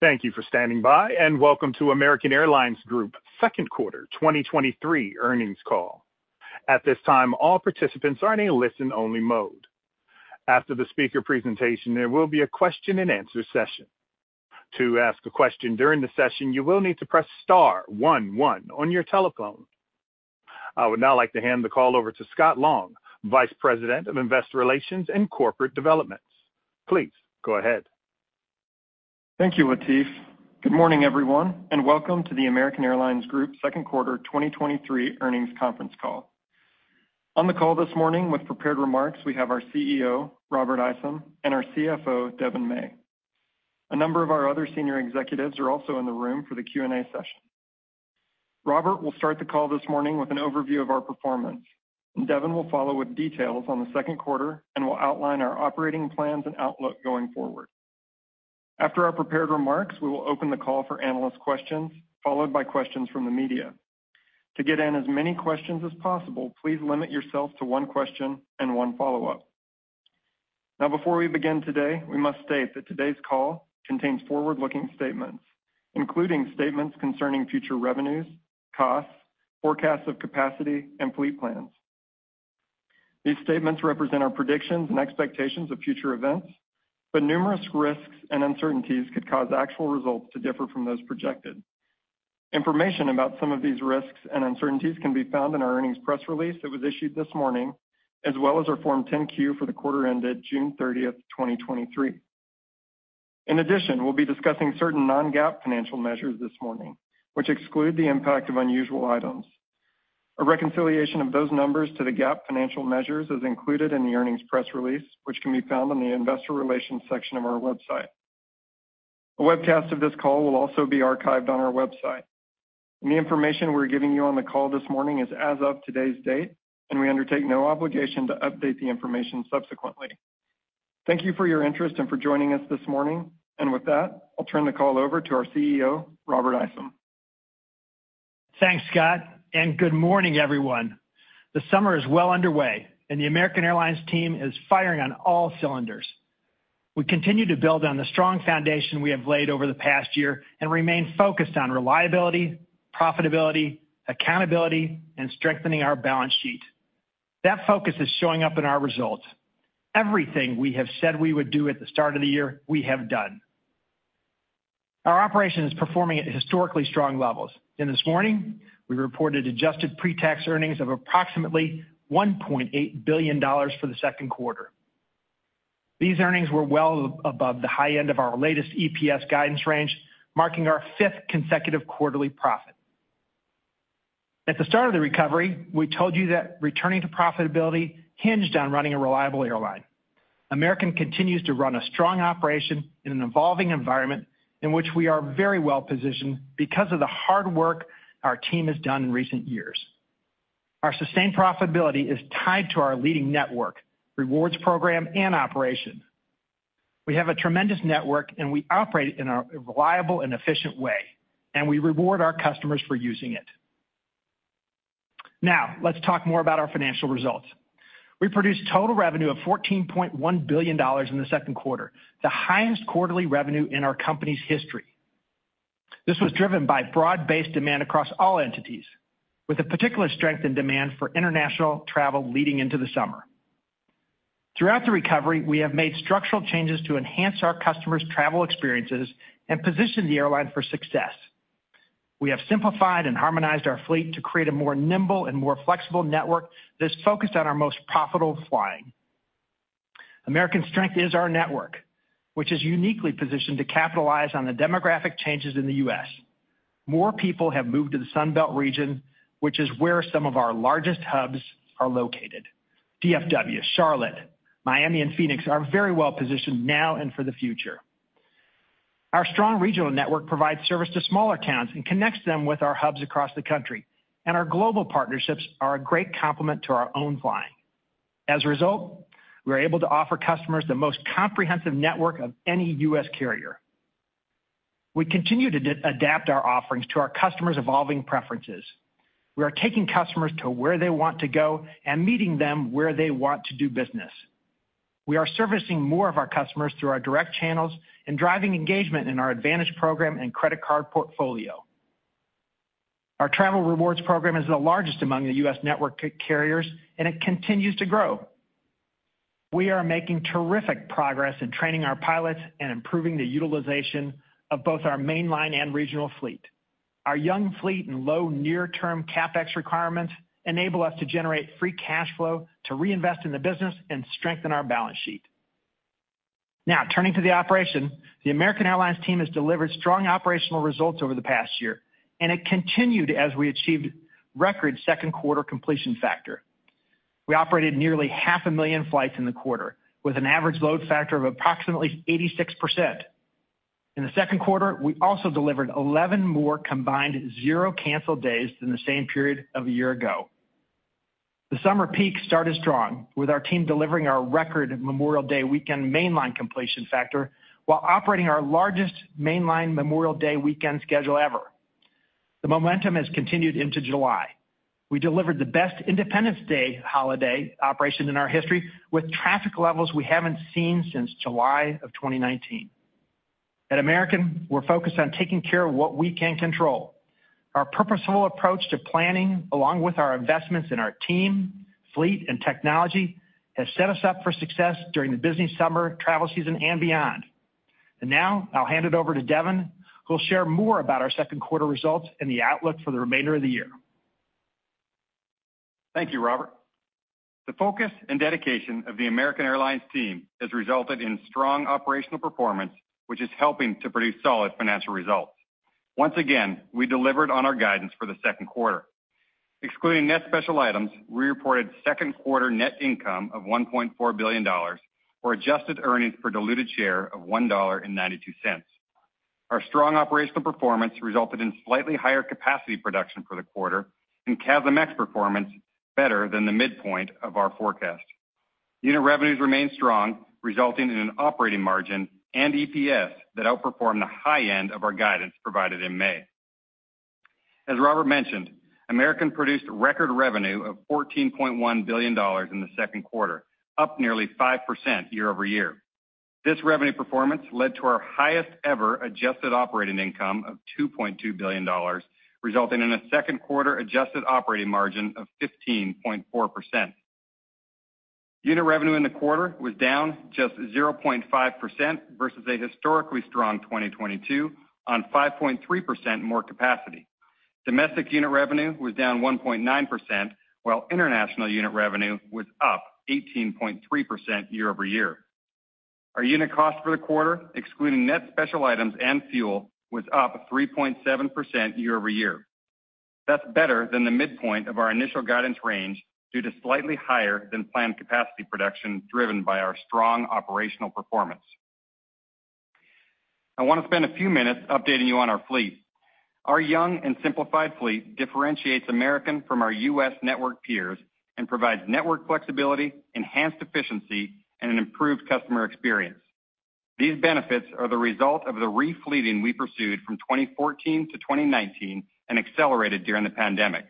Thank you for standing by, and welcome to American Airlines Group Second Quarter 2023 Earnings Call. At this time, all participants are in a listen-only mode. After the speaker presentation, there will be a question-and-answer session. To ask a question during the session, you will need to press star one one on your telephone. I would now like to hand the call over to Scott Long, Vice President of Investor Relations and Corporate Developments. Please go ahead. Thank you, Latif. Good morning, everyone, welcome to the American Airlines Group Second Quarter 2023 Earnings Conference Call. On the call this morning with prepared remarks, we have our CEO, Robert Isom, and our CFO, Devon May. A number of our other senior executives are also in the room for the Q&A session. Robert will start the call this morning with an overview of our performance, Devon will follow with details on the second quarter and will outline our operating plans and outlook going forward. After our prepared remarks, we will open the call for analyst questions, followed by questions from the media. To get in as many questions as possible, please limit yourself to one question and one follow-up. Before we begin today, we must state that today's call contains forward-looking statements, including statements concerning future revenues, costs, forecasts of capacity, and fleet plans. These statements represent our predictions and expectations of future events, numerous risks and uncertainties could cause actual results to differ from those projected. Information about some of these risks and uncertainties can be found in our earnings press release that was issued this morning, as well as our Form 10-Q for the quarter ended June 30th, 2023. In addition, we'll be discussing certain non-GAAP financial measures this morning, which exclude the impact of unusual items. A reconciliation of those numbers to the GAAP financial measures is included in the earnings press release, which can be found on the investor relations section of our website. A webcast of this call will also be archived on our website. The information we're giving you on the call this morning is as of today's date, and we undertake no obligation to update the information subsequently. Thank you for your interest and for joining us this morning. With that, I'll turn the call over to our CEO, Robert Isom. Thanks, Scott, and good morning, everyone. The summer is well underway and the American Airlines team is firing on all cylinders. We continue to build on the strong foundation we have laid over the past year and remain focused on reliability, profitability, accountability, and strengthening our balance sheet. That focus is showing up in our results. Everything we have said we would do at the start of the year, we have done. Our operation is performing at historically strong levels, and this morning, we reported adjusted pre-tax earnings of approximately $1.8 billion for the second quarter. These earnings were well above the high end of our latest EPS guidance range, marking our fifth consecutive quarterly profit. At the start of the recovery, we told you that returning to profitability hinged on running a reliable airline. American continues to run a strong operation in an evolving environment in which we are very well-positioned because of the hard work our team has done in recent years. Our sustained profitability is tied to our leading network, rewards program, and operation. We have a tremendous network, and we operate in a reliable and efficient way, and we reward our customers for using it. Now, let's talk more about our financial results. We produced total revenue of $14.1 billion in the second quarter, the highest quarterly revenue in our company's history. This was driven by broad-based demand across all entities, with a particular strength in demand for international travel leading into the summer. Throughout the recovery, we have made structural changes to enhance our customers' travel experiences and position the airline for success. We have simplified and harmonized our fleet to create a more nimble and more flexible network that is focused on our most profitable flying. American's strength is our network, which is uniquely positioned to capitalize on the demographic changes in the U.S. More people have moved to the Sun Belt region, which is where some of our largest hubs are located. DFW, Charlotte, Miami, and Phoenix are very well-positioned now and for the future. Our strong regional network provides service to smaller towns and connects them with our hubs across the country, and our global partnerships are a great complement to our own flying. As a result, we are able to offer customers the most comprehensive network of any U.S. carrier. We continue to adapt our offerings to our customers' evolving preferences. We are taking customers to where they want to go and meeting them where they want to do business. We are servicing more of our customers through our direct channels and driving engagement in our AAdvantage program and credit card portfolio. Our travel rewards program is the largest among the U.S. network carriers, and it continues to grow. We are making terrific progress in training our pilots and improving the utilization of both our mainline and regional fleet. Our young fleet and low near-term CapEx requirements enable us to generate free cash flow to reinvest in the business and strengthen our balance sheet. Turning to the operation, the American Airlines team has delivered strong operational results over the past year, and it continued as we achieved record second-quarter completion factor. We operated nearly half a million flights in the quarter, with an average load factor of approximately 86%. In the second quarter, we also delivered 11 more combined zero-cancel days than the same period of a year ago. The summer peak started strong, with our team delivering our record Memorial Day weekend mainline completion factor, while operating our largest mainline Memorial Day weekend schedule ever. The momentum has continued into July. We delivered the best Independence Day holiday operation in our history, with traffic levels we haven't seen since July of 2019. At American, we're focused on taking care of what we can control. Our purposeful approach to planning, along with our investments in our team, fleet, and technology, has set us up for success during the busy summer travel season and beyond. Now I'll hand it over to Devon, who'll share more about our second quarter results and the outlook for the remainder of the year. Thank you, Robert. The focus and dedication of the American Airlines team has resulted in strong operational performance, which is helping to produce solid financial results. Once again, we delivered on our guidance for the second quarter. Excluding net special items, we reported second quarter net income of $1.4 billion, or adjusted earnings per diluted share of $1.92. Our strong operational performance resulted in slightly higher capacity production for the quarter and CASM ex performance better than the midpoint of our forecast. Unit revenues remained strong, resulting in an operating margin and EPS that outperformed the high end of our guidance provided in May. As Robert mentioned, American produced record revenue of $14.1 billion in the second quarter, up nearly 5% year-over-year. This revenue performance led to our highest-ever adjusted operating income of $2.2 billion, resulting in a second quarter adjusted operating margin of 15.4%. Unit revenue in the quarter was down just 0.5% versus a historically strong 2022 on 5.3% more capacity. Domestic unit revenue was down 1.9%, while international unit revenue was up 18.3% year-over-year. Our unit cost for the quarter, excluding net special items and fuel, was up 3.7% year-over-year. That's better than the midpoint of our initial guidance range due to slightly higher than planned capacity production, driven by our strong operational performance. I want to spend a few minutes updating you on our fleet. Our young and simplified fleet differentiates American Airlines from our U.S. network peers and provides network flexibility, enhanced efficiency, and an improved customer experience. These benefits are the result of the refleeting we pursued from 2014-2019 and accelerated during the pandemic.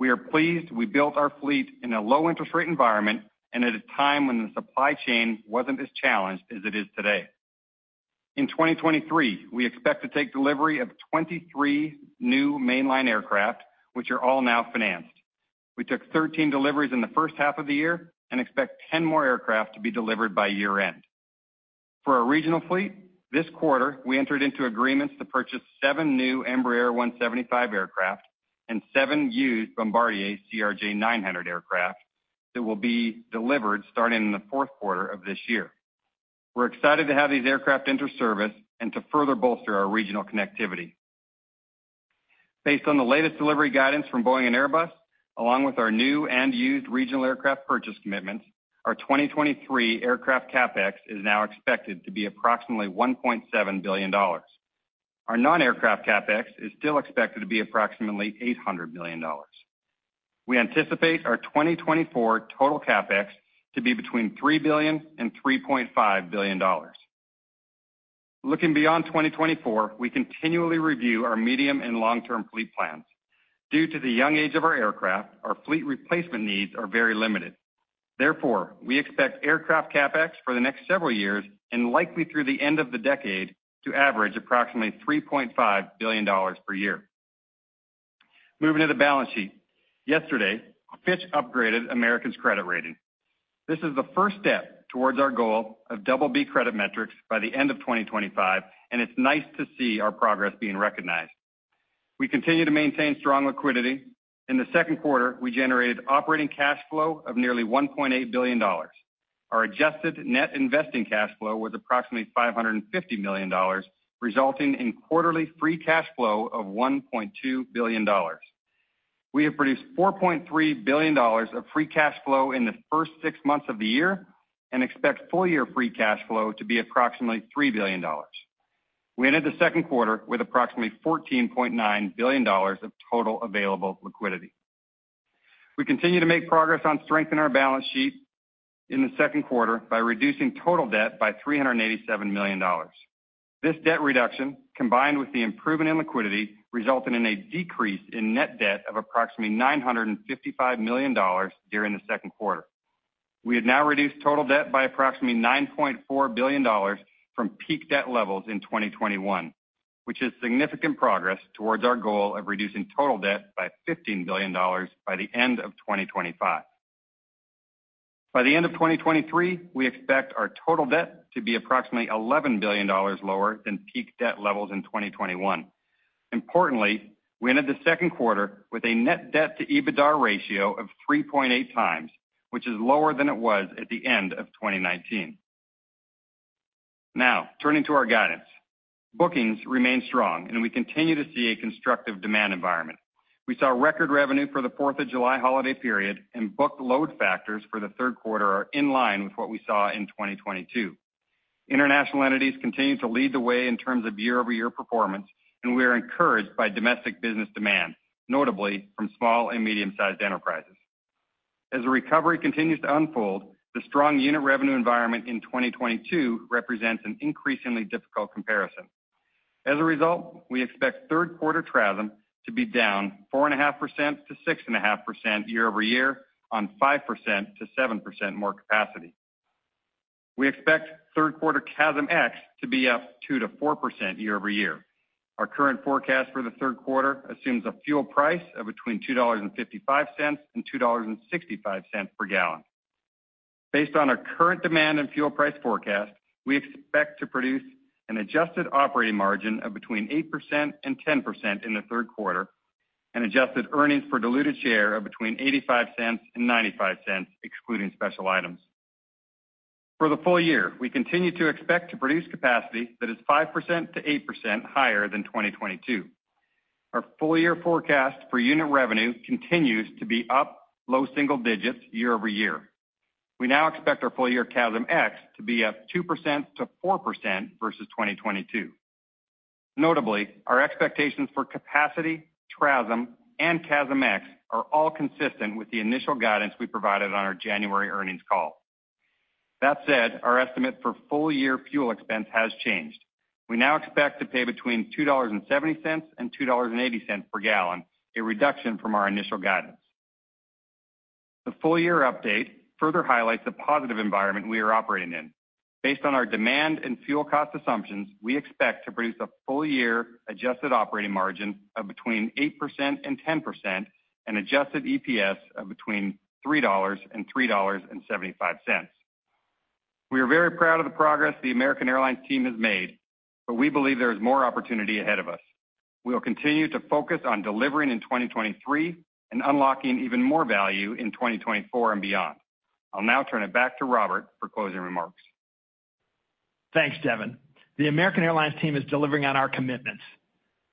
We are pleased we built our fleet in a low-interest rate environment and at a time when the supply chain wasn't as challenged as it is today. In 2023, we expect to take delivery of 23 new mainline aircraft, which are all now financed. We took 13 deliveries in the first half of the year and expect 10 more aircraft to be delivered by year-end. For our regional fleet, this quarter, we entered into agreements to purchase seven new Embraer 175 aircraft and seven used Bombardier CRJ-900 aircraft that will be delivered starting in the fourth quarter of this year. We're excited to have these aircraft enter service and to further bolster our regional connectivity. Based on the latest delivery guidance from Boeing and Airbus, along with our new and used regional aircraft purchase commitments, our 2023 aircraft CapEx is now expected to be approximately $1.7 billion. Our non-aircraft CapEx is still expected to be approximately $800 million. We anticipate our 2024 total CapEx to be between $3 billion and $3.5 billion. Looking beyond 2024, we continually review our medium- and long-term fleet plans. Due to the young age of our aircraft, our fleet replacement needs are very limited. Therefore, we expect aircraft CapEx for the next several years and likely through the end of the decade, to average approximately $3.5 billion per year. Moving to the balance sheet. Yesterday, Fitch upgraded American's credit rating. This is the first step towards our goal of BB credit metrics by the end of 2025. It's nice to see our progress being recognized. We continue to maintain strong liquidity. In the second quarter, we generated operating cash flow of nearly $1.8 billion. Our adjusted net investing cash flow was approximately $550 million, resulting in quarterly free cash flow of $1.2 billion. We have produced $4.3 billion of free cash flow in the first six months of the year. We expect full-year free cash flow to be approximately $3 billion. We ended the second quarter with approximately $14.9 billion of total available liquidity. We continue to make progress on strengthening our balance sheet in the second quarter by reducing total debt by $387 million. This debt reduction, combined with the improvement in liquidity, resulted in a decrease in net debt of approximately $955 million during the second quarter. We have now reduced total debt by approximately $9.4 billion from peak debt levels in 2021, which is significant progress towards our goal of reducing total debt by $15 billion by the end of 2025. By the end of 2023, we expect our total debt to be approximately $11 billion lower than peak debt levels in 2021. Importantly, we ended the second quarter with a net debt to EBITDA ratio of 3.8 times, which is lower than it was at the end of 2019. Turning to our guidance. Bookings remain strong, and we continue to see a constructive demand environment. We saw record revenue for the Fourth of July holiday period. Booked load factors for the third quarter are in line with what we saw in 2022. International entities continue to lead the way in terms of year-over-year performance. We are encouraged by domestic business demand, notably from small and medium-sized enterprises. As the recovery continues to unfold, the strong unit revenue environment in 2022 represents an increasingly difficult comparison. As a result, we expect third quarter TRASM to be down 4.5%-6.5% year-over-year on 5%-7% more capacity. We expect third quarter CASM ex to be up 2%-4% year-over-year. Our current forecast for the third quarter assumes a fuel price of between $2.55 and $2.65 per gallon. Based on our current demand and fuel price forecast, we expect to produce an adjusted operating margin of between 8% and 10% in the third quarter, and adjusted earnings per diluted share of between $0.85-$0.95, excluding special items. For the full year, we continue to expect to produce capacity that is 5%-8% higher than 2022. Our full-year forecast for unit revenue continues to be up low single digits year-over-year. We now expect our full-year CASM ex to be up 2%-4% versus 2022. Notably, our expectations for capacity, TRASM, and CASM ex are all consistent with the initial guidance we provided on our January earnings call. That said, our estimate for full-year fuel expense has changed. We now expect to pay between $2.70 and $2.80 per gallon, a reduction from our initial guidance. The full-year update further highlights the positive environment we are operating in. Based on our demand and fuel cost assumptions, we expect to produce a full-year adjusted operating margin of between 8% and 10% and adjusted EPS of between $3 and $3.75. We are very proud of the progress the American Airlines team has made, but we believe there is more opportunity ahead of us. We will continue to focus on delivering in 2023 and unlocking even more value in 2024 and beyond. I'll now turn it back to Robert for closing remarks. Thanks, Devon. The American Airlines team is delivering on our commitments.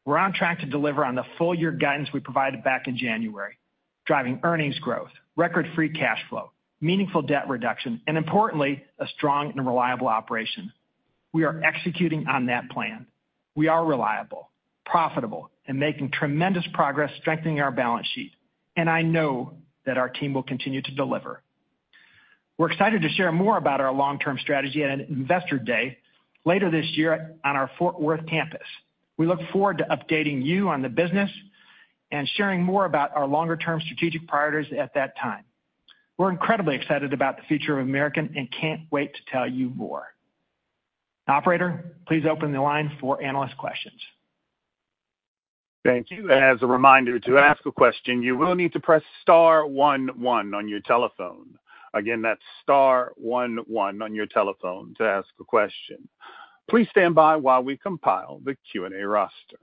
We're on track to deliver on the full-year guidance we provided back in January, driving earnings growth, record free cash flow, meaningful debt reduction, and importantly, a strong and reliable operation. We are executing on that plan. We are reliable, profitable, and making tremendous progress strengthening our balance sheet, and I know that our team will continue to deliver. We're excited to share more about our long-term strategy at an Investor Day later this year on our Fort Worth campus. We look forward to updating you on the business and sharing more about our longer-term strategic priorities at that time. We're incredibly excited about the future of American and can't wait to tell you more. Operator, please open the line for analyst questions. Thank you. As a reminder, to ask a question, you will need to press star one on your telephone. Again, that's star one on your telephone to ask a question. Please stand by while we compile the Q&A roster.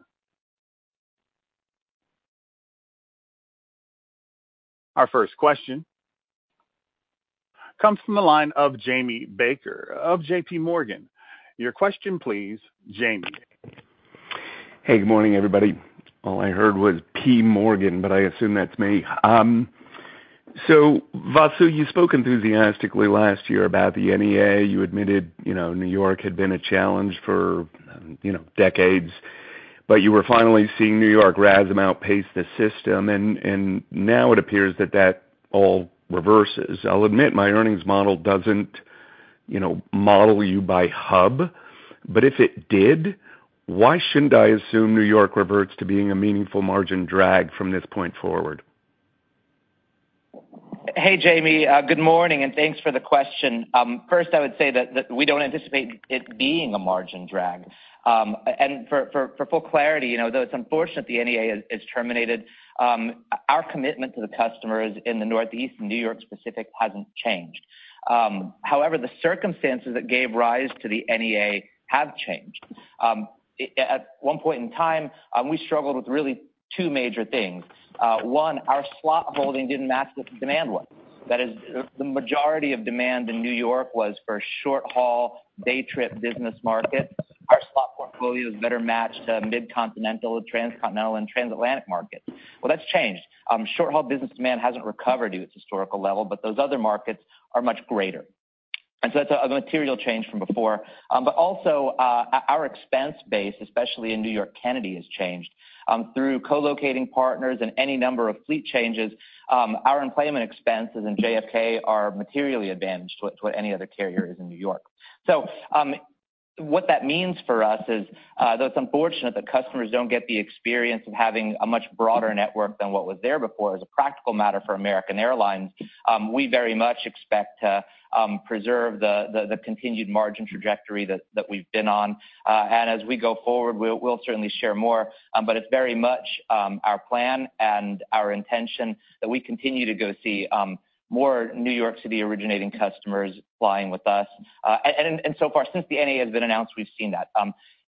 Our first question comes from the line of Jamie Baker of JP Morgan. Your question, please, Jamie. Hey, good morning, everybody. All I heard was J.P. Morgan, but I assume that's me. Vasu, you spoke enthusiastically last year about the NEA. You admitted, you know, New York had been a challenge for, you know, decades, but you were finally seeing New York RASM outpace the system, and now it appears that that all reverses. I'll admit, my earnings model doesn't, you know, model you by hub, but if it did, why shouldn't I assume New York reverts to being a meaningful margin drag from this point forward? Hey, Jamie, good morning, thanks for the question. First, I would say that we don't anticipate it being a margin drag. For full clarity, you know, though it's unfortunate the NEA is terminated, our commitment to the customers in the Northeast and New York specific hasn't changed. However, the circumstances that gave rise to the NEA have changed. At one point in time, we struggled with really two major things. One, our slot holding didn't match the demand level. That is, the majority of demand in New York was for short-haul, day trip business markets. Our slot portfolio is better matched to mid-continental, transcontinental, and transatlantic markets. Well, that's changed. Short-haul business demand hasn't recovered to its historical level, but those other markets are much greater. That's a material change from before. Also, our expense base, especially in New York Kennedy, has changed. Through co-locating partners and any number of fleet changes, our employment expenses in JFK are materially advantaged to what any other carrier is in New York. That means for us is, though it's unfortunate that customers don't get the experience of having a much broader network than what was there before, as a practical matter for American Airlines, we very much expect to preserve the continued margin trajectory that we've been on. As we go forward, we'll certainly share more, but it's very much our plan and our intention that we continue to go see more New York City-originating customers flying with us. So far, since the NEA has been announced, we've seen that.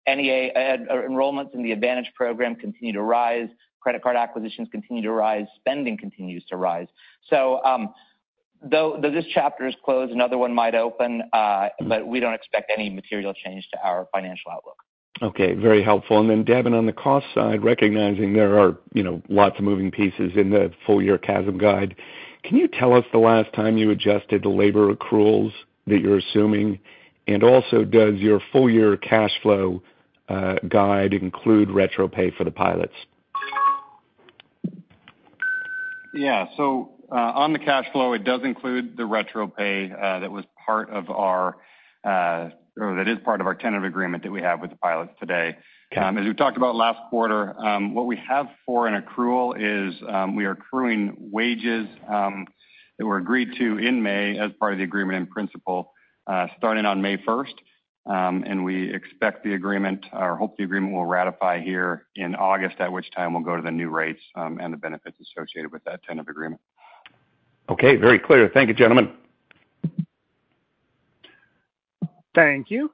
NEA enrollments in the AAdvantage program continue to rise, credit card acquisitions continue to rise, spending continues to rise. Though this chapter is closed, another one might open, but we don't expect any material change to our financial outlook. Okay. Very helpful. Then, Devon, on the cost side, recognizing there are, you know, lots of moving pieces in the full-year CASM guide, can you tell us the last time you adjusted the labor accruals that you're assuming? Also, does your full-year cash flow.... guide include retro pay for the pilots? On the cash flow, it does include the retro pay that was part of our or that is part of our tentative agreement that we have with the pilots today. As we talked about last quarter, what we have for an accrual is, we are accruing wages that were agreed to in May as part of the agreement in principle, starting on May 1st. We expect the agreement or hope the agreement will ratify here in August, at which time we'll go to the new rates and the benefits associated with that tentative agreement. Okay, very clear. Thank you, gentlemen. Thank you.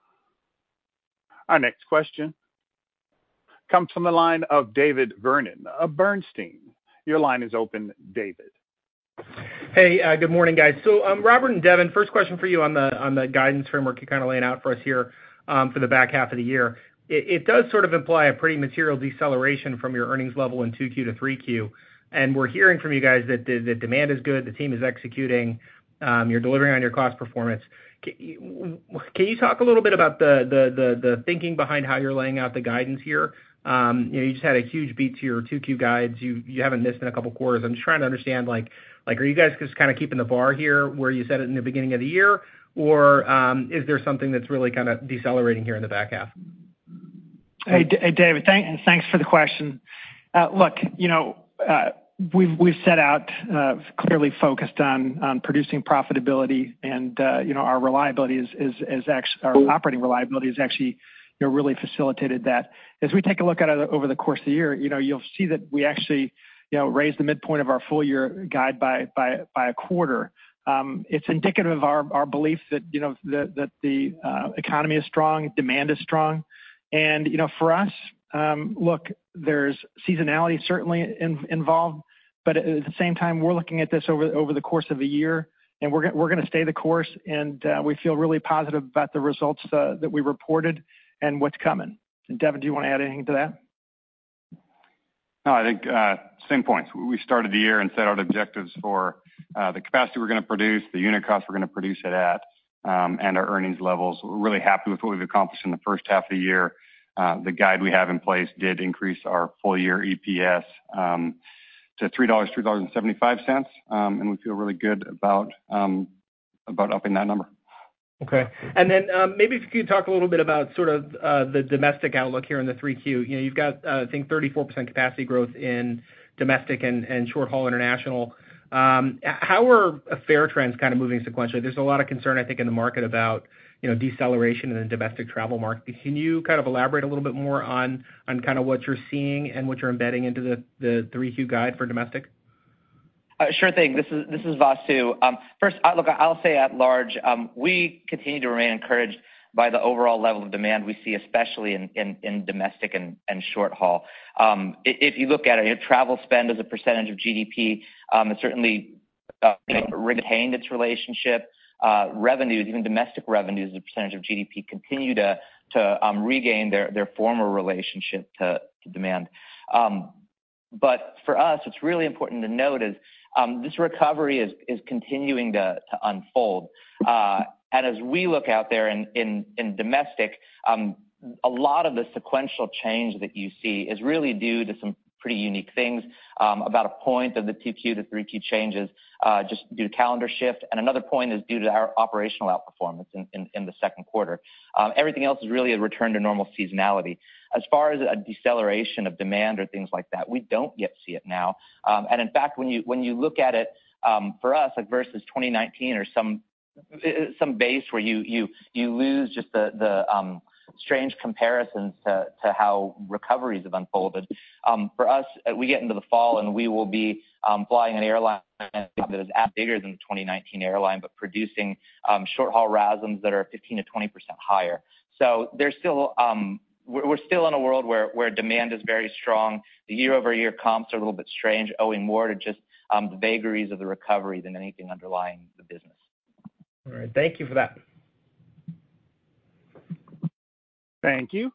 Our next question comes from the line of David Vernon of Bernstein. Your line is open, David. Hey, good morning, guys. Robert and Devon, first question for you on the guidance framework you kind of laying out for us here for the back half of the year. It does sort of imply a pretty material deceleration from your earnings level in 2Q-3Q. We're hearing from you guys that the demand is good, the team is executing, you're delivering on your cost performance. Can you talk a little bit about the thinking behind how you're laying out the guidance here? You know, you just had a huge beat to your 2Q guides. You haven't missed in a couple quarters. I'm just trying to understand, like, are you guys just kind of keeping the bar here where you set it in the beginning of the year, or, is there something that's really kind of decelerating here in the back half? Hey, David, thanks for the question. look, you know, we've set out clearly focused on producing profitability, and, you know, our operating reliability is actually, you know, really facilitated that. As we take a look at it over the course of the year, you know, you'll see that we actually, you know, raised the midpoint of our full year guide by a quarter. It's indicative of our belief that, you know, that the economy is strong, demand is strong. You know, for us, look, there's seasonality certainly involved, but at the same time, we're looking at this over the course of a year, and we're gonna stay the course, and we feel really positive about the results that we reported and what's coming. Devon, do you want to add anything to that? I think, same points. We started the year and set out objectives for the capacity we're gonna produce, the unit cost we're gonna produce it at, and our earnings levels. We're really happy with what we've accomplished in the first half of the year. The guide we have in place did increase our full year EPS to $3.00, $3.75, and we feel really good about upping that number. Okay. Then, maybe if you could talk a little bit about sort of, the domestic outlook here in the 3Q. You know, you've got, I think, 34% capacity growth in domestic and short-haul international. How are fare trends kind of moving sequentially? There's a lot of concern, I think, in the market about, you know, deceleration in the domestic travel market. Can you kind of elaborate a little bit more on kind of what you're seeing and what you're embedding into the 3Q guide for domestic? Sure thing. This is Vasu. First, look, I'll say at large, we continue to remain encouraged by the overall level of demand we see, especially in domestic and short haul. If you look at it, travel spend as a percentage of GDP, it certainly retained its relationship. Revenues, even domestic revenues, as a percentage of GDP, continue to regain their former relationship to demand. For us, what's really important to note is, this recovery is continuing to unfold. As we look out there in domestic, a lot of the sequential change that you see is really due to some pretty unique things, about a point of the 2Q-3Q changes, just due to calendar shift, and another point is due to our operational outperformance in the second quarter. Everything else is really a return to normal seasonality. As far as a deceleration of demand or things like that, we don't yet see it now. In fact, when you, when you look at it, for us, like versus 2019 or some base where you lose just the strange comparisons to how recoveries have unfolded. For us, we get into the fall, we will be flying an airline that is bigger than the 2019 airline, producing short-haul RASMs that are 15%-20% higher. There's still. We're still in a world where demand is very strong. The year-over-year comps are a little bit strange, owing more to just the vagaries of the recovery than anything underlying the business. All right. Thank you for that. Thank you.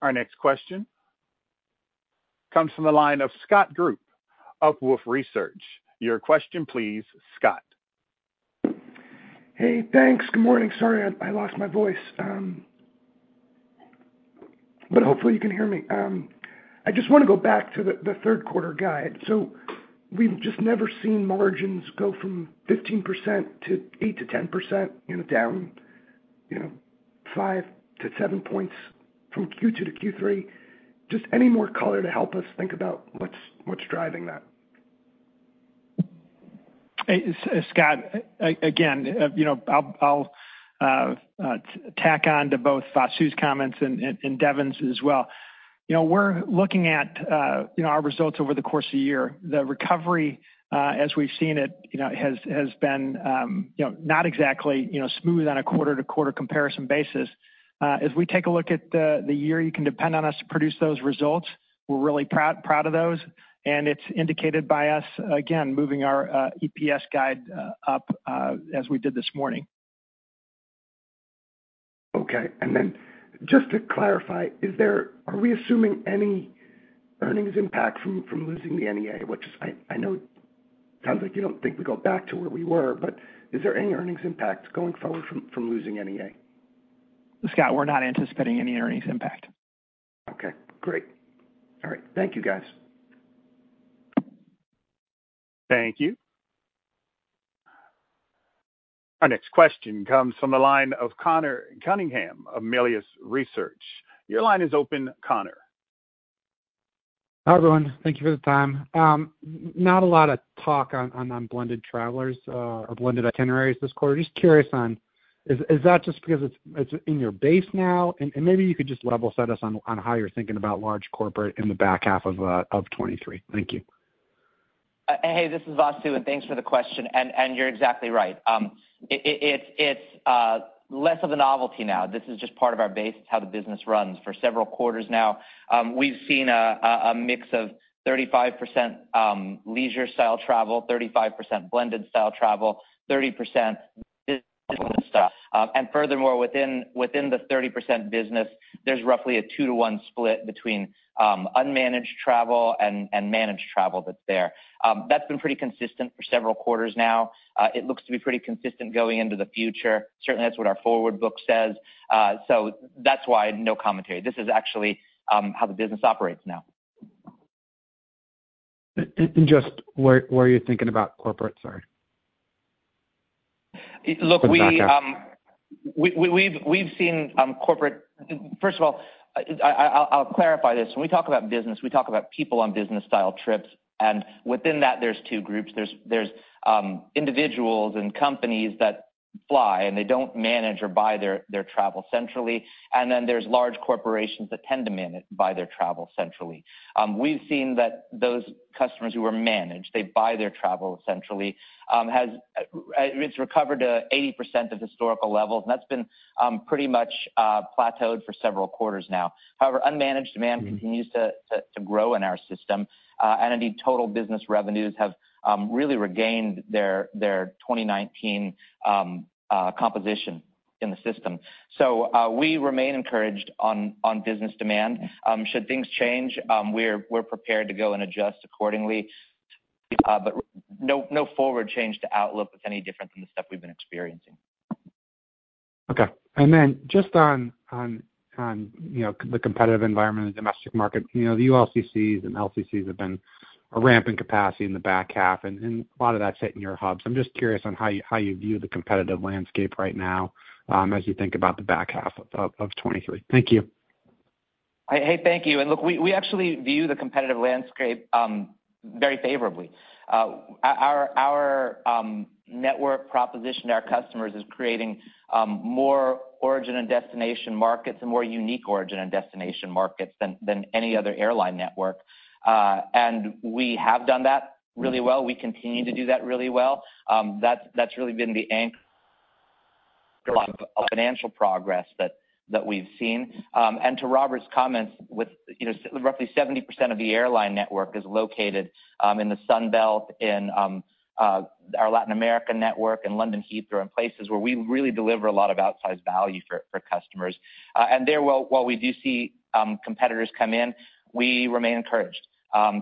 Our next question comes from the line of Scott Group of Wolfe Research. Your question, please, Scott. Hey, thanks. Good morning. Sorry, I lost my voice, but hopefully you can hear me. I just want to go back to the third quarter guide. We've just never seen margins go from 15% to 8%-10%, you know, down, you know, five to seven points from Q2-Q3. Just any more color to help us think about what's driving that? Hey, Scott, again, you know, I'll tack on to both Vasu's comments and Devon May's as well. You know, we're looking at, you know, our results over the course of the year. The recovery, as we've seen it, you know, has been, you know, not exactly, you know, smooth on a quarter-to-quarter comparison basis. As we take a look at the year, you can depend on us to produce those results. We're really proud of those, and it's indicated by us, again, moving our EPS guide up, as we did this morning. Okay. Just to clarify, are we assuming any earnings impact from losing the NEA?... Sounds like you don't think we go back to where we were. Is there any earnings impact going forward from losing NEA? Scott, we're not anticipating any earnings impact. Okay, great. All right. Thank you, guys. Thank you. Our next question comes from the line of Conor Cunningham of Melius Research. Your line is open, Conor. Hi, everyone. Thank you for the time. Not a lot of talk on blended travelers or blended itineraries this quarter. Just curious on, is that just because it's in your base now? Maybe you could just level set us on how you're thinking about large corporate in the back half of 2023. Thank you. Hey, this is Vasu, and thanks for the question. You're exactly right. It's less of a novelty now. This is just part of our base, it's how the business runs. For several quarters now, we've seen a mix of 35% leisure-style travel, 35% blended-style travel, 30% business style. Furthermore, within the 30% business, there's roughly a two-to-one split between unmanaged travel and managed travel that's there. That's been pretty consistent for several quarters now. It looks to be pretty consistent going into the future. Certainly, that's what our forward book says. That's why no commentary. This is actually how the business operates now. just where are you thinking about corporate? Sorry. Look, we The back half. First of all, I'll clarify this. When we talk about business, we talk about people on business-style trips, and within that, there's two groups. There's individuals and companies that fly, and they don't manage or buy their travel centrally, and then there's large corporations that tend to manage buy their travel centrally. We've seen that those customers who are managed, they buy their travel centrally, has, it's recovered to 80% of historical levels, and that's been pretty much plateaued for several quarters now. However, unmanaged demand continues to grow in our system. Indeed, total business revenues have really regained their 2019 composition in the system. We remain encouraged on business demand. Should things change, we're prepared to go and adjust accordingly, but no forward change to outlook that's any different than the stuff we've been experiencing. Okay. Then just on, you know, the competitive environment in the domestic market, you know, the ULCCs and LCCs have been a ramp in capacity in the back half, and a lot of that's hitting your hubs. I'm just curious on how you view the competitive landscape right now, as you think about the back half of 2023. Thank you. Hey, thank you. Look, we actually view the competitive landscape very favorably. Our network proposition to our customers is creating more origin and destination markets and more unique origin and destination markets than any other airline network. We have done that really well. We continue to do that really well. That's really been the anchor of financial progress that we've seen. To Robert's comments, with, you know, roughly 70% of the airline network is located in the Sun Belt, in our Latin America network, in London, Heathrow, and places where we really deliver a lot of outsized value for customers. There, while we do see competitors come in, we remain encouraged.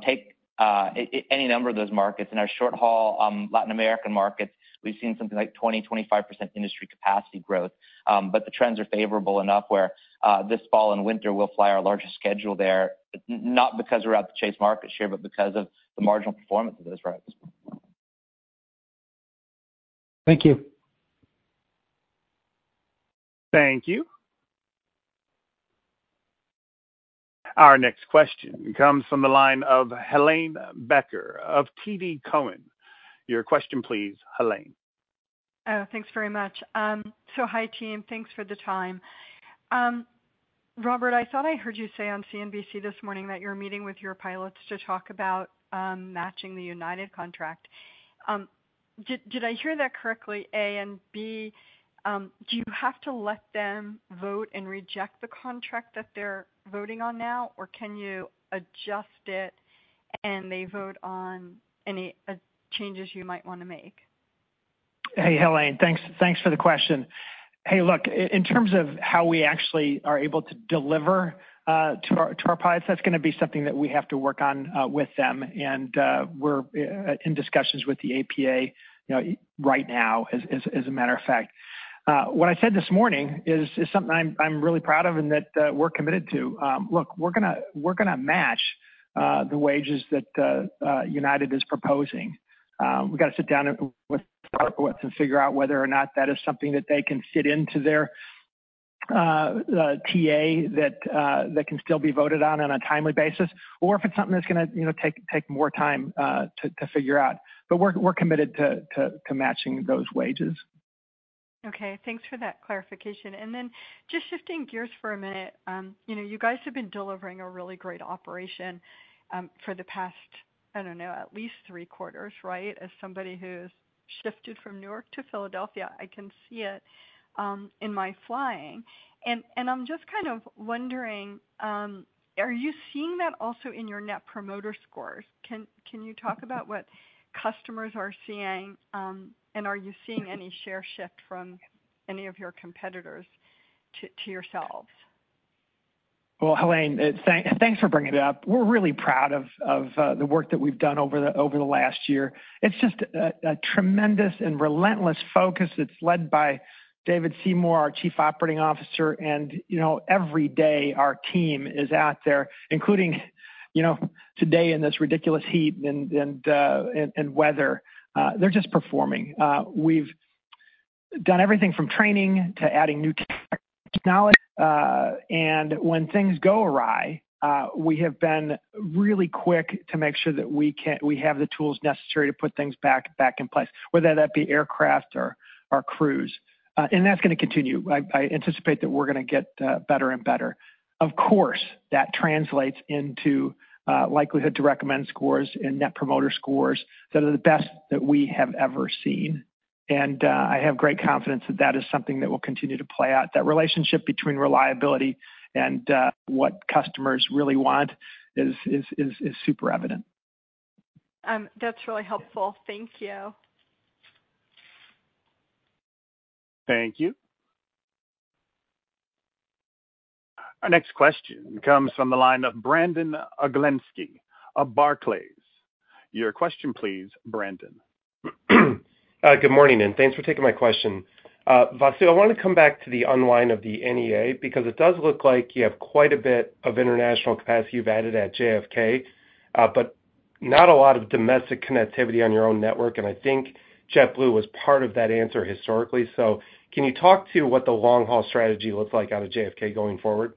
Take any number of those markets. In our short-haul, Latin American markets, we've seen something like 20%, 25% industry capacity growth. The trends are favorable enough where this fall and winter, we'll fly our largest schedule there, not because we're out to chase market share, but because of the marginal performance of those routes. Thank you. Thank you. Our next question comes from the line of Helane Becker of TD Cowen. Your question please, Helane. Thanks very much. Hi, team. Thanks for the time. Robert, I thought I heard you say on CNBC this morning that you're meeting with your pilots to talk about matching the United contract. Did I hear that correctly, A? B, do you have to let them vote and reject the contract that they're voting on now, or can you adjust it and they vote on any changes you might want to make? Hey, Helane, thanks for the question. Hey, look, in terms of how we actually are able to deliver to our pilots, that's gonna be something that we have to work on with them, and we're in discussions with the APA, you know, right now, as a matter of fact. What I said this morning is something I'm really proud of and that we're committed to. Look, we're gonna match the wages that United is proposing. We've got to sit down with our pilots and figure out whether or not that is something that they can fit into their TA, that can still be voted on on a timely basis, or if it's something that's gonna, you know, take more time to figure out. We're committed to matching those wages. Okay, thanks for that clarification. Just shifting gears for a minute, you know, you guys have been delivering a really great operation, for the past, I don't know, at least three quarters, right? As somebody who's shifted from Newark to Philadelphia, I can see it, in my flying. I'm just kind of wondering, are you seeing that also in your Net Promoter Scores? Can you talk about what customers are seeing, and are you seeing any share shift from any of your competitors to yourselves? Well, Helane, thanks for bringing it up. We're really proud of the work that we've done over the last year. It's just a tremendous and relentless focus that's led by David Seymour, our Chief Operating Officer. You know, every day, our team is out there, including, you know, today in this ridiculous heat and weather, they're just performing. We've done everything from training to adding new technology, and when things go awry, we have been really quick to make sure that we have the tools necessary to put things back in place, whether that be aircraft or crews. That's gonna continue. I anticipate that we're gonna get better and better. Of course, that translates into likelihood to recommend scores and Net Promoter Scores that are the best that we have ever seen. I have great confidence that is something that will continue to play out. That relationship between reliability and, what customers really want is super evident. That's really helpful. Thank you. Thank you. Our next question comes from the line of Brandon Oglenski of Barclays. Your question, please, Brandon. Good morning. Thanks for taking my question. Vasu, I want to come back to the unwind of the NEA because it does look like you have quite a bit of international capacity you've added at JFK, but not a lot of domestic connectivity on your own network, and I think JetBlue was part of that answer historically. Can you talk to what the long-haul strategy looks like out of JFK going forward?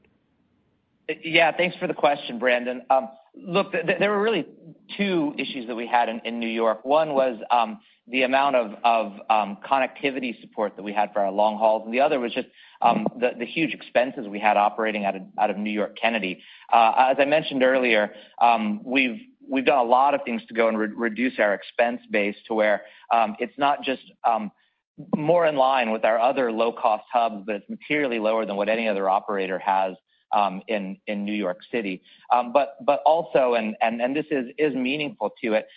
Yeah, thanks for the question, Brandon. Look, there were really two issues that we had in New York. One was the amount of connectivity support that we had for our long hauls. The other was just the huge expenses we had operating out of New York, Kennedy. As I mentioned earlier, we've done a lot of things to go and reduce our expense base to where it's not just more in line with our other low-cost hubs, but it's materially lower than what any other operator has in New York City. Also, and this is meaningful to it,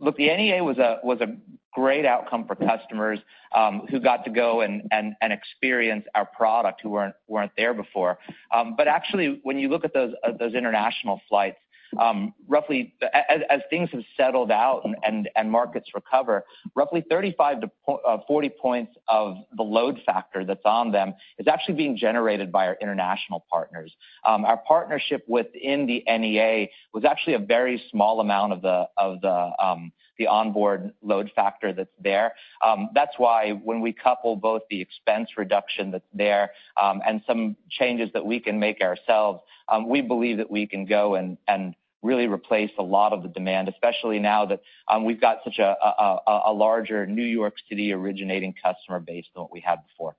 look, the NEA was a great outcome for customers who got to go and experience our product, who weren't there before. Actually, when you look at those international flights, roughly as things have settled out and markets recover, roughly 35-40 points of the load factor that's on them is actually being generated by our international partners. Our partnership within the NEA was actually a very small amount of the onboard load factor that's there. That's why when we couple both the expense reduction that's there, and some changes that we can make ourselves, we believe that we can go and really replace a lot of the demand, especially now that we've got such a larger New York City originating customer base than what we had before.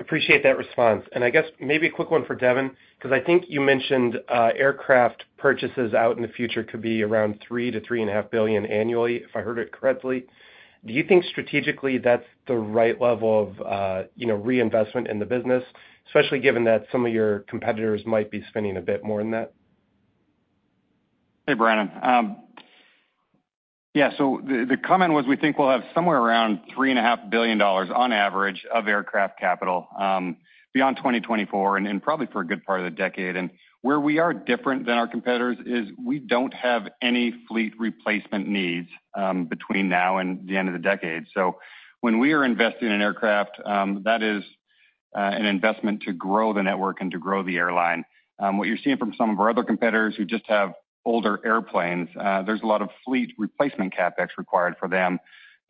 Appreciate that response. I guess maybe a quick one for Devon, 'cause I think you mentioned, aircraft purchases out in the future could be around $3 billion-$3.5 billion annually, if I heard it correctly. Do you think strategically that's the right level of, you know, reinvestment in the business, especially given that some of your competitors might be spending a bit more than that? Hey, Brandon. Yeah, the comment was, we think we'll have somewhere around $3.5 billion, on average, of aircraft capital, beyond 2024, then probably for a good part of the decade. Where we are different than our competitors is we don't have any fleet replacement needs between now and the end of the decade. When we are investing in aircraft, that is an investment to grow the network and to grow the airline. What you're seeing from some of our other competitors who just have older airplanes, there's a lot of fleet replacement CapEx required for them.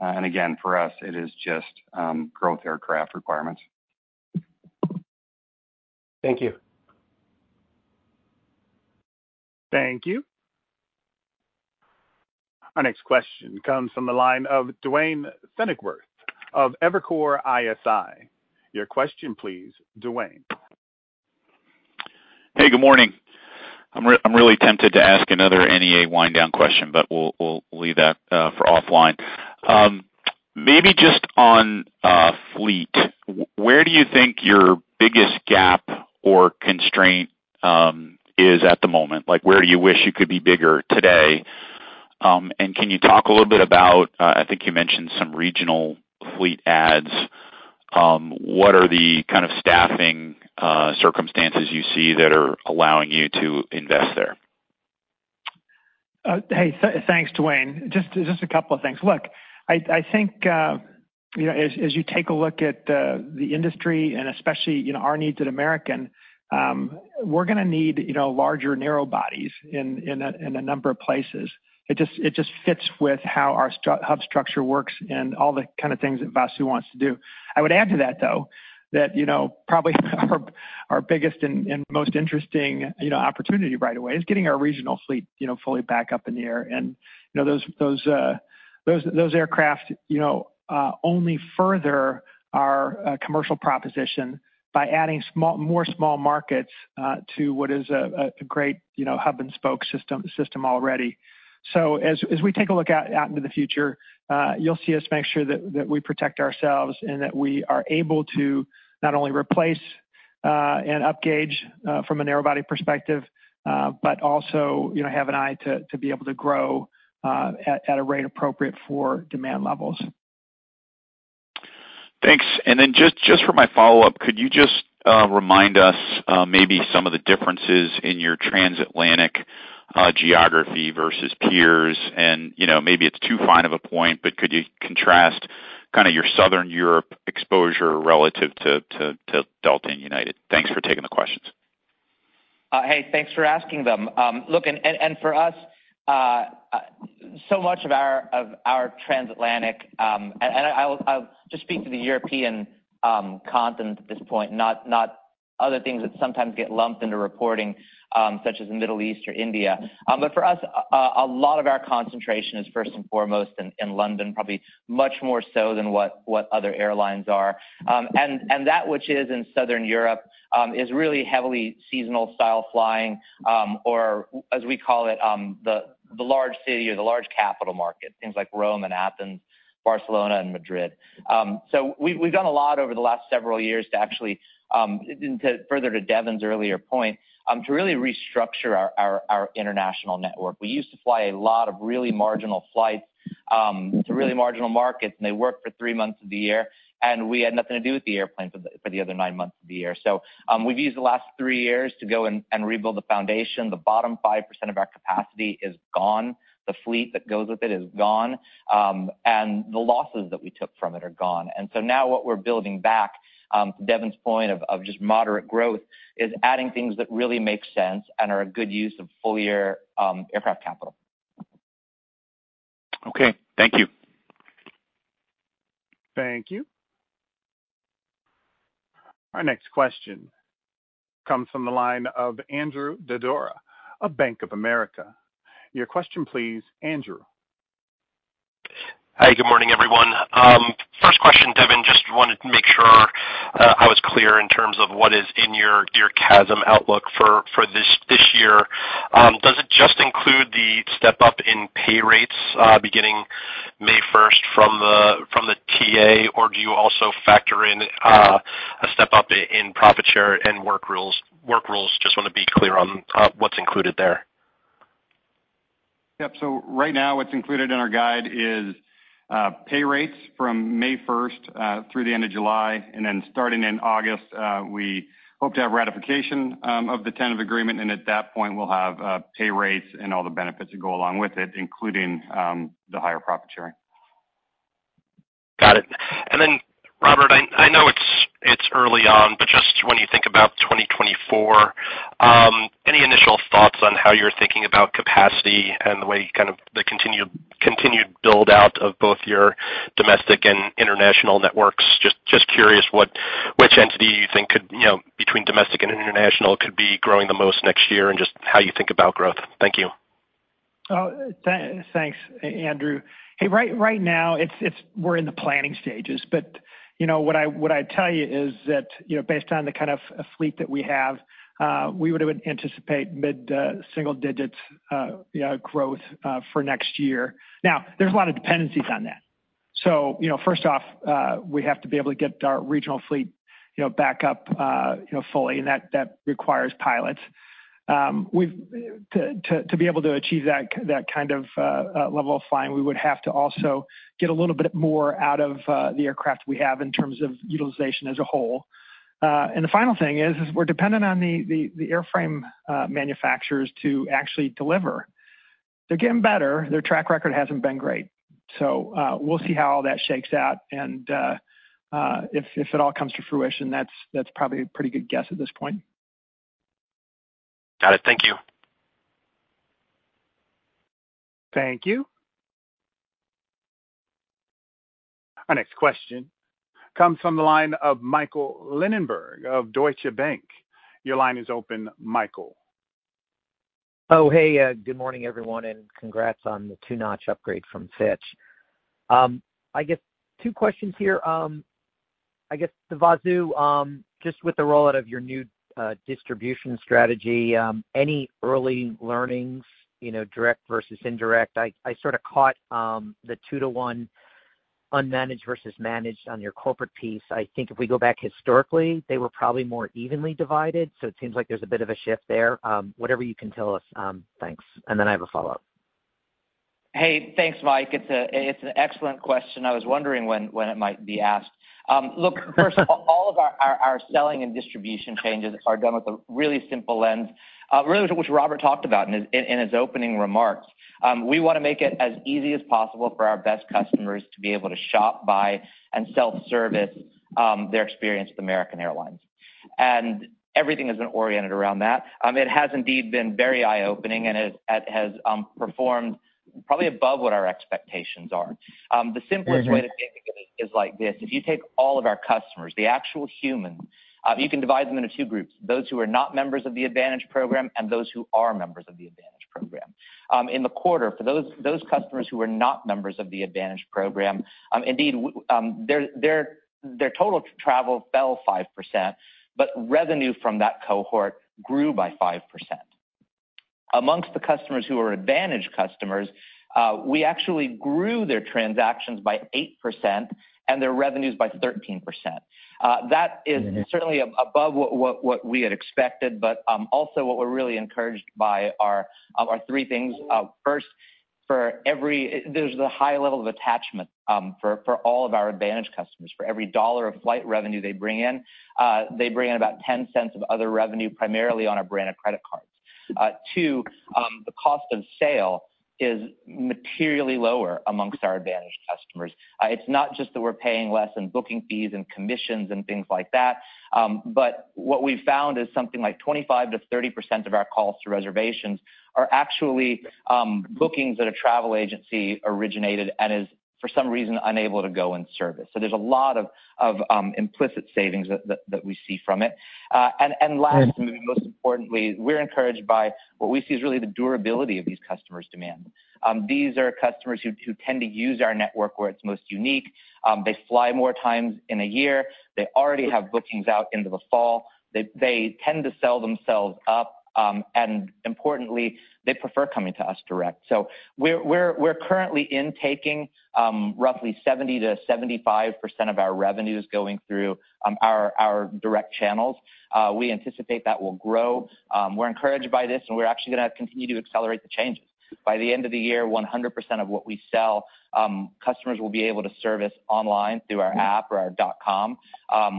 Again, for us, it is just growth aircraft requirements. Thank you. Thank you. Our next question comes from the line of Duane Pfennigwerth of Evercore ISI. Your question, please, Duane. Hey, good morning. I'm really tempted to ask another NEA wind down question, but we'll leave that for offline. Maybe just on fleet, where do you think your biggest gap or constraint is at the moment? Like, where do you wish you could be bigger today? Can you talk a little bit about, I think you mentioned some regional fleet adds, what are the kind of staffing circumstances you see that are allowing you to invest there? Hey, thanks, Duane. Just a couple of things. Look, I think, you know, as you take a look at the industry and especially, you know, our needs at American Airlines, we're gonna need, you know, larger narrow bodies in a number of places. It just fits with how our hub structure works and all the kind of things that Vasu wants to do. I would add to that, though, that, you know, probably our biggest and most interesting, you know, opportunity right away is getting our regional fleet, you know, fully back up in the air. You know, those aircraft, you know, only further our commercial proposition by adding more small markets to what is a great, you know, hub and spoke system already. As we take a look out into the future, you'll see us make sure that we protect ourselves and that we are able to not only replace and up gauge from a narrow body perspective, but also, you know, have an eye to be able to grow at a rate appropriate for demand levels. Thanks. Then just for my follow-up, could you just remind us, maybe some of the differences in your transatlantic geography versus peers? You know, maybe it's too fine of a point, but could you contrast kind of your Southern Europe exposure relative to Delta and United? Thanks for taking the questions. Hey, thanks for asking them. Look, for us, so much of our transatlantic. I'll just speak to the European continent at this point, not other things that sometimes get lumped into reporting, such as the Middle East or India. For us, a lot of our concentration is first and foremost in London, probably much more so than what other airlines are. That which is in Southern Europe is really heavily seasonal style flying, or as we call it, the large city or the large capital market, things like Rome and Athens, Barcelona and Madrid. We've done a lot over the last several years to actually, and to further to Devon's earlier point, to really restructure our international network. We used to fly a lot of really marginal flights to really marginal markets. They worked for three months of the year, and we had nothing to do with the airplanes for the other nine months of the year. We've used the last three years to go and rebuild the foundation. The bottom 5% of our capacity is gone, the fleet that goes with it is gone. The losses that we took from it are gone. Now what we're building back, to Devon's point of just moderate growth, is adding things that really make sense and are a good use of full-year aircraft capital. Okay. Thank you. Thank you. Our next question comes from the line of Andrew Didora of Bank of America. Your question, please, Andrew. Hi, good morning, everyone. First question, Devon, just wanted to make sure I was clear in terms of what is in your CASM outlook for this year. Does it just include the step-up in pay rates beginning May 1st from the TA, or do you also factor in a step-up in profit share and work rules? Just want to be clear on what's included there. Yep. Right now, what's included in our guide is pay rates from May first through the end of July, and then starting in August, we hope to have ratification of the tentative agreement, and at that point, we'll have pay rates and all the benefits that go along with it, including the higher profit sharing. Got it. Robert, I know it's early on, just when you think about 2024, any initial thoughts on how you're thinking about capacity and the way kind of the continued build-out of both your domestic and international networks? Just curious, which entity you think could, you know, between domestic and international, could be growing the most next year, and just how you think about growth. Thank you. Oh, thanks, Andrew. Hey, right now, it's we're in the planning stages, but, you know, what I'd tell you is that, you know, based on the kind of fleet that we have, we would anticipate mid-single digits, you know, growth for next year. There's a lot of dependencies on that. You know, first off, we have to be able to get our regional fleet, you know, back up, you know, fully, and that requires pilots. To be able to achieve that kind of level of flying, we would have to also get a little bit more out of the aircraft we have in terms of utilization as a whole. The final thing is we're dependent on the airframe manufacturers to actually deliver. They're getting better. Their track record hasn't been great. We'll see how all that shakes out, if it all comes to fruition, that's probably a pretty good guess at this point. Got it. Thank you. Thank you. Our next question comes from the line of Michael Linenberg of Deutsche Bank. Your line is open, Michael. Hey, good morning, everyone. Congrats on the two-notch upgrade from Fitch. I guess two questions here. I guess to Vasu, just with the rollout of your new distribution strategy, any early learnings, you know, direct versus indirect? I sort of caught the two-to-one unmanaged versus managed on your corporate piece. I think if we go back historically, they were probably more evenly divided. It seems like there's a bit of a shift there. Whatever you can tell us, thanks. Then I have a follow-up. Hey, thanks, Mike. It's an excellent question. I was wondering when it might be asked. Look, first of all of our selling and distribution changes are done with a really simple lens, really which Robert talked about in his opening remarks. We want to make it as easy as possible for our best customers to be able to shop, buy, and self-service their experience with American Airlines. Everything has been oriented around that. It has indeed been very eye-opening, and it has performed probably above what our expectations are. The simplest way. Mm-hmm. To think of it is like this: If you take all of our customers, the actual humans, you can divide them into two groups, those who are not members of the AAdvantage program and those who are members of the AAdvantage program. In the quarter, for those customers who are not members of the AAdvantage program, indeed, their total travel fell 5%, but revenue from that cohort grew by 5%. Amongst the customers who are AAdvantage customers, we actually grew their transactions by 8% and their revenues by 13%. That is certainly above what we had expected, but also what we're really encouraged by are three things. For every, there's a high level of attachment, for all of our AAdvantage customers. For every $1 of flight revenue they bring in, they bring in about $0.10 of other revenue, primarily on our brand of credit cards. Two, the cost of sale is materially lower amongst our AAdvantage customers. It's not just that we're paying less in booking fees and commissions and things like that, but what we've found is something like 25%-30% of our calls to reservations are actually bookings that a travel agency originated and is, for some reason, unable to go in service. There's a lot of implicit savings that we see from it. Last, and most importantly, we're encouraged by what we see is really the durability of these customers' demand. These are customers who tend to use our network where it's most unique. They fly more times in a year. They already have bookings out into the fall. They tend to sell themselves up, and importantly, they prefer coming to us direct. We're currently intaking roughly 70%-75% of our revenues going through our direct channels. We anticipate that will grow. We're encouraged by this, and we're actually gonna continue to accelerate the changes. By the end of the year, 100% of what we sell, customers will be able to service online through our app or our .com.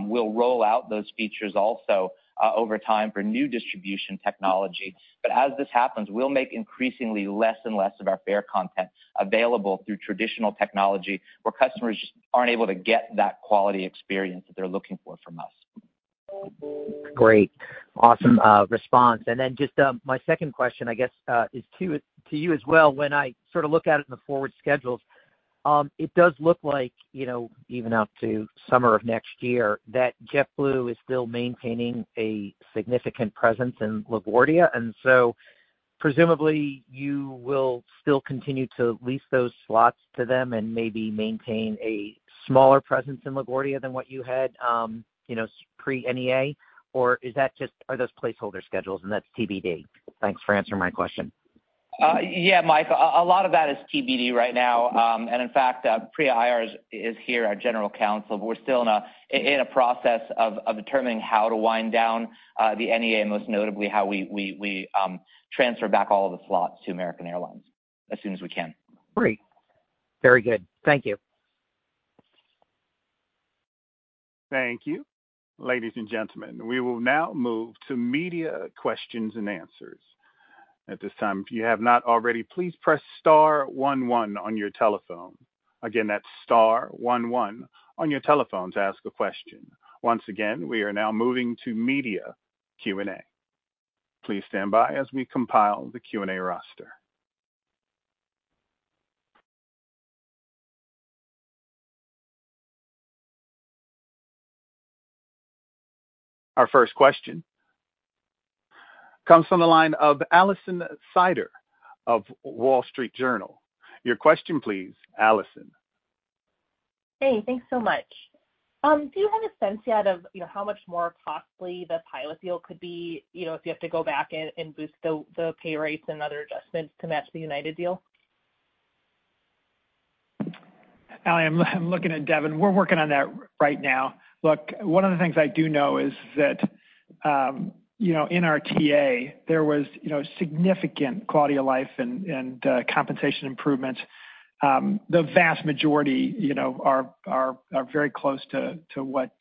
We'll roll out those features also over time for new distribution technology. As this happens, we'll make increasingly less and less of our fare content available through traditional technology, where customers just aren't able to get that quality experience that they're looking for from us. Great. Awesome response. My second question, I guess, is to you as well. When I sort of look at it in the forward schedules, it does look like, you know, even out to summer of next year, that JetBlue is still maintaining a significant presence in LaGuardia. Presumably, you will still continue to lease those slots to them and maybe maintain a smaller presence in LaGuardia than what you had, you know, pre-NEA, or is that just, are those placeholder schedules and that's TBD? Thanks for answering my question. Yeah, Mike, a lot of that is TBD right now. In fact, Priya Aiyar is here, our general counsel, we're still in a process of determining how to wind down the NEA, most notably, how we transfer back all of the slots to American Airlines as soon as we can. Great. Very good. Thank you. Thank you. Ladies and gentlemen, we will now move to media questions and answers. At this time, if you have not already, please press star one on your telephone. Again, that's star one on your telephone to ask a question. Once again, we are now moving to media Q&A. Please stand by as we compile the Q&A roster. Our first question comes from the line of Alison Sider of Wall Street Journal. Your question, please, Alison. Hey, thanks so much. Do you have a sense yet of, you know, how much more costly the pilot deal could be, you know, if you have to go back and boost the pay rates and other adjustments to match the United deal? Ally, I'm looking at Devon. We're working on that right now. Look, one of the things I do know is that, you know, in our TA, there was, you know, significant quality of life and compensation improvements. The vast majority, you know, are very close to what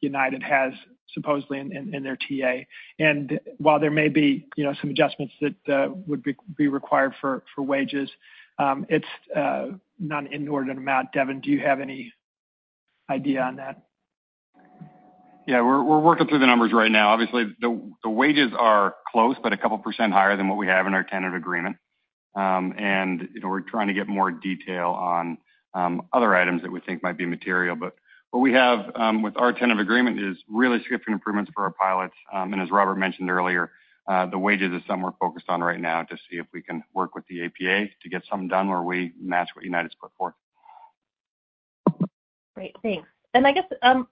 United has supposedly in their TA. While there may be, you know, some adjustments that would be required for wages, it's not an inordinate amount. Devon, do you have any idea on that? Yeah, we're working through the numbers right now. Obviously, the wages are close, but a couple % higher than what we have in our tentative agreement. You know, we're trying to get more detail on other items that we think might be material. What we have with our tentative agreement is really significant improvements for our pilots. As Robert Isom mentioned earlier, the wages is something we're focused on right now to see if we can work with the APA to get something done where we match what United's put forth. Great, thanks. I guess,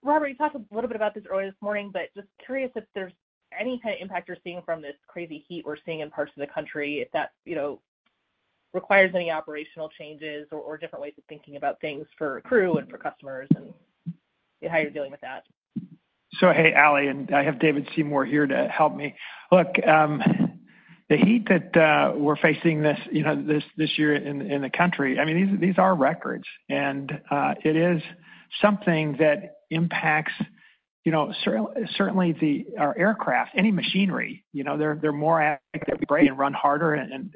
Robert, you talked a little bit about this earlier this morning, but just curious if there's any kind of impact you're seeing from this crazy heat we're seeing in parts of the country, if that, you know, requires any operational changes or different ways of thinking about things for crew and for customers, and how you're dealing with that? Hey, Ally, and I have David Seymour here to help me. Look, the heat that we're facing this, you know, this year in the country, I mean, these are records, and it is something that impacts, you know, certainly our aircraft, any machinery, you know, they're more active, and run harder and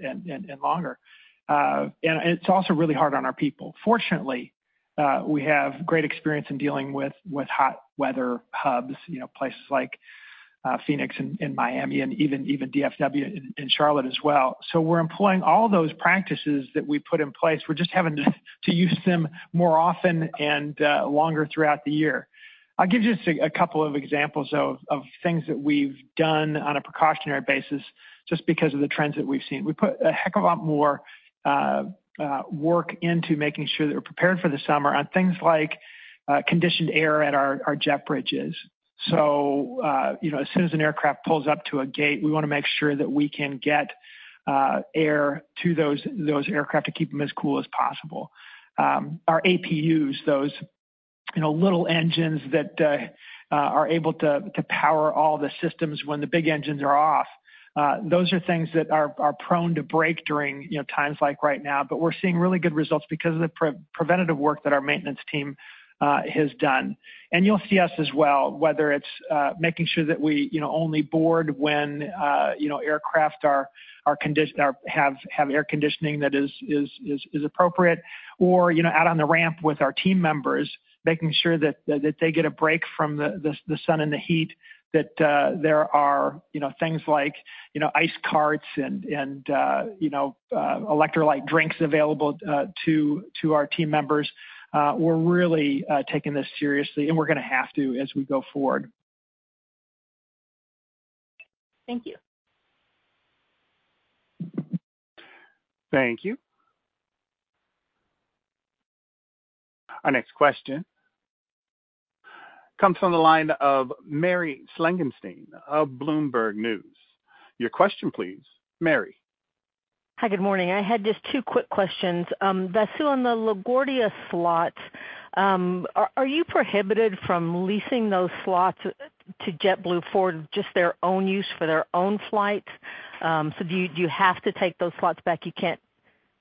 longer. It's also really hard on our people. Fortunately, we have great experience in dealing with hot weather hubs, you know, places like Phoenix and Miami and even DFW and Charlotte as well. We're employing all those practices that we put in place. We're just having to use them more often and longer throughout the year. I'll give you just a couple of examples, though, of things that we've done on a precautionary basis just because of the trends that we've seen. We put a heck of a lot more work into making sure that we're prepared for the summer on things like conditioned air at our jet bridges. You know, as soon as an aircraft pulls up to a gate, we wanna make sure that we can get air to those aircraft to keep them as cool as possible. Our APUs, you know, little engines that are able to power all the systems when the big engines are off. Those are things that are prone to break during, you know, times like right now. We're seeing really good results because of the pre-preventative work that our maintenance team has done. You'll see us as well, whether it's making sure that we, you know, only board when, you know, aircraft are, have air conditioning that is appropriate, or, you know, out on the ramp with our team members, making sure that they get a break from the sun and the heat, that there are, you know, things like, you know, ice carts and, you know, electrolyte drinks available to our team members. We're really taking this seriously, and we're gonna have to as we go forward. Thank you. Thank you. Our next question comes from the line of Mary Schlangenstein of Bloomberg News. Your question, please, Mary. Hi, good morning. I had just two quick questions. Vasu, on the LaGuardia slots, are you prohibited from leasing those slots to JetBlue for just their own use, for their own flights? Do you have to take those slots back, you can't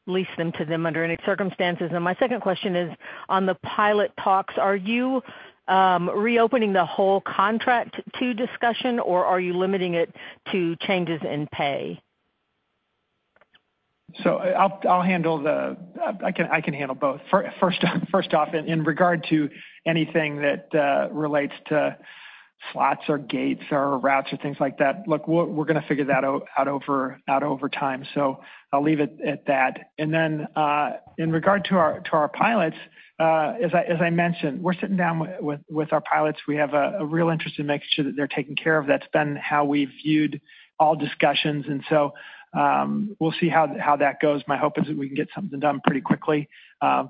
lease them to them under any circumstances? My second question is on the pilot talks: Are you reopening the whole contract to discussion, or are you limiting it to changes in pay? I'll handle both. First off, in regard to anything that relates to slots or gates or routes or things like that, look, we're gonna figure that out over time. I'll leave it at that. In regard to our pilots, as I mentioned, we're sitting down with our pilots. We have a real interest in making sure that they're taken care of. That's been how we've viewed all discussions. We'll see how that goes. My hope is that we can get something done pretty quickly. No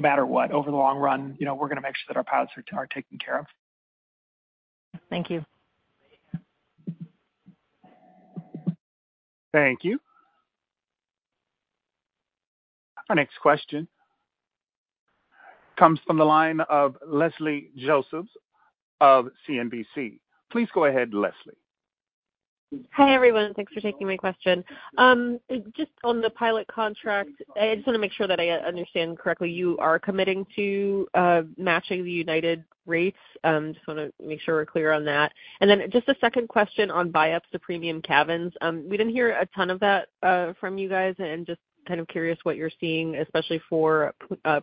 matter what, over the long run, you know, we're gonna make sure that our pilots are taken care of. Thank you. Thank you. Our next question comes from the line of Leslie Josephs of CNBC. Please go ahead, Leslie. Hi, everyone. Thanks for taking my question. Just on the pilot contract, I just wanna make sure that I understand correctly, you are committing to matching the United rates? Just wanna make sure we're clear on that. Just a second question on buyups to premium cabins. We didn't hear a ton of that from you guys, and just kind of curious what you're seeing, especially for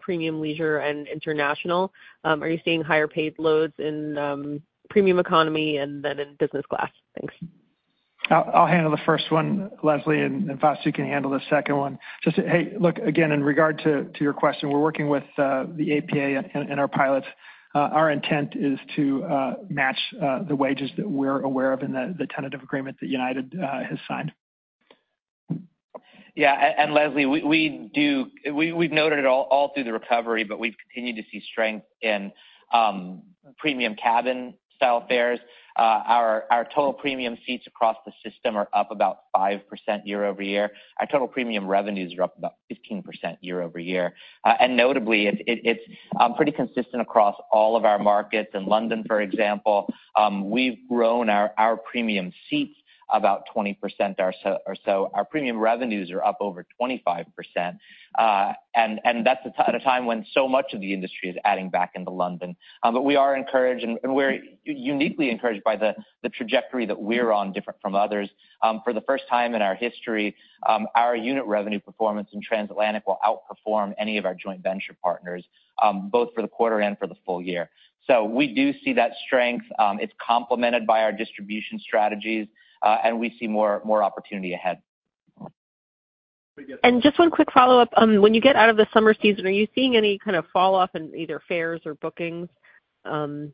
premium leisure and international. Are you seeing higher paid loads in premium economy and then in business class? Thanks. I'll handle the first one, Leslie, and Vasu can handle the second one. Hey, look, again, in regard to your question, we're working with the APA and our pilots. Our intent is to match the wages that we're aware of in the tentative agreement that United has signed. Yeah, Leslie, we've noted it all through the recovery, but we've continued to see strength in premium cabin style fares. Our total premium seats across the system are up about 5% year-over-year. Our total premium revenues are up about 15% year-over-year. Notably, it's pretty consistent across all of our markets. In London, for example, we've grown our premium seats about 20% or so. Our premium revenues are up over 25%, and that's at a time when so much of the industry is adding back into London. We are encouraged, and we're uniquely encouraged by the trajectory that we're on, different from others. For the first time in our history, our unit revenue performance in transatlantic will outperform any of our joint venture partners, both for the quarter and for the full year. We do see that strength. It's complemented by our distribution strategies, and we see more opportunity ahead. Just 1 quick follow-up. When you get out of the summer season, are you seeing any kind of falloff in either fares or bookings, some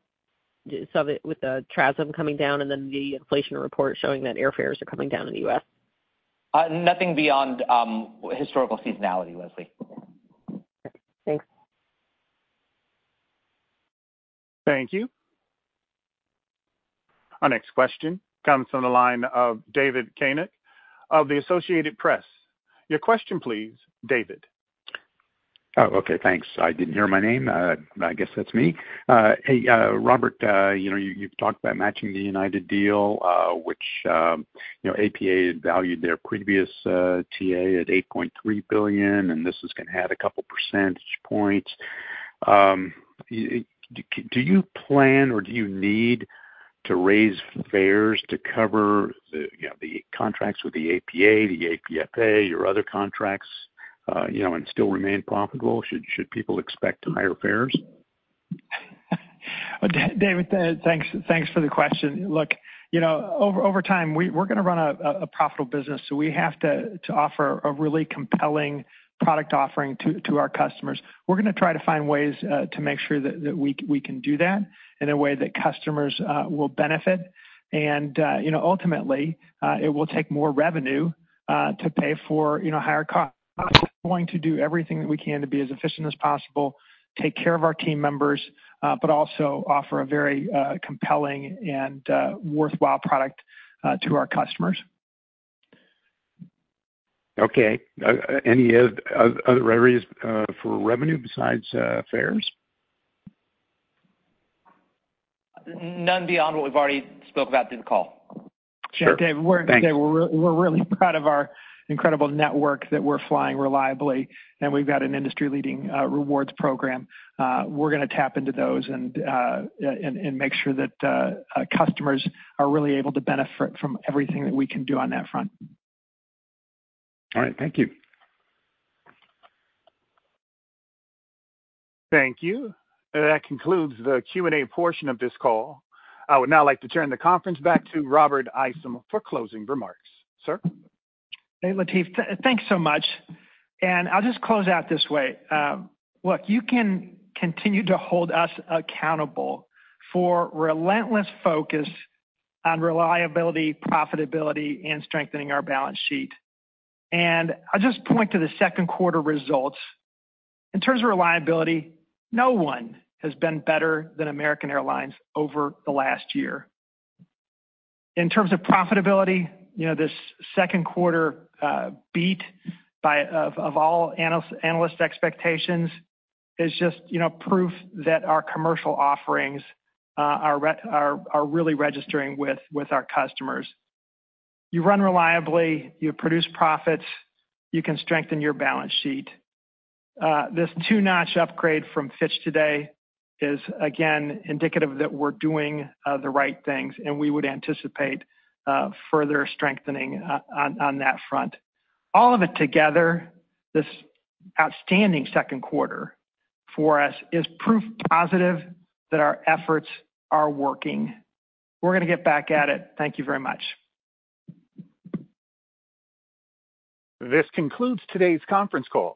of it with the TRASM coming down and then the inflation report showing that airfares are coming down in the U.S.? Nothing beyond historical seasonality, Leslie. Thanks. Thank you. Our next question comes from the line of David Koenig of the Associated Press. Your question, please, David. Okay, thanks. I didn't hear my name. I guess that's me. Hey, Robert, you know, you've talked about matching the United deal, which, you know, APA valued their previous TA at $8.3 billion, and this is gonna add a couple percentage points. Do you plan or do you need to raise fares to cover the, you know, the contracts with the APA, the APFA, your other contracts, you know, and still remain profitable? Should people expect higher fares? David, thanks for the question. Look, you know, over time, we're gonna run a profitable business, so we have to offer a really compelling product offering to our customers. We're gonna try to find ways to make sure that we can do that in a way that customers will benefit. you know, ultimately, it will take more revenue to pay for, you know, higher costs. We're going to do everything that we can to be as efficient as possible, take care of our team members, but also offer a very compelling and worthwhile product to our customers.... Okay. Any other areas for revenue besides fares? None beyond what we've already spoke about through the call. Sure, Dave, Thanks. We're really proud of our incredible network that we're flying reliably, and we've got an industry-leading rewards program. We're gonna tap into those and make sure that customers are really able to benefit from everything that we can do on that front. All right, thank you. Thank you. That concludes the Q&A portion of this call. I would now like to turn the conference back to Robert Isom for closing remarks. Sir? Hey, Latif, thanks so much. I'll just close out this way. Look, you can continue to hold us accountable for relentless focus on reliability, profitability, and strengthening our balance sheet. I'll just point to the second quarter results. In terms of reliability, no one has been better than American Airlines over the last year. In terms of profitability, you know, this second quarter beat by all analyst expectations is just, you know, proof that our commercial offerings are really registering with our customers. You run reliably, you produce profits, you can strengthen your balance sheet. This two-notch upgrade from Fitch today is, again, indicative that we're doing the right things, we would anticipate further strengthening on that front. All of it together, this outstanding second quarter for us is proof positive that our efforts are working. We're gonna get back at it. Thank you very much. This concludes today's conference call.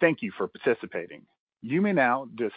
Thank you for participating. You may now disconnect.